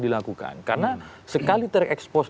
dilakukan karena sekali terekspos